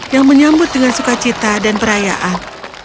yang menyambut dengan sukacita dan perayaan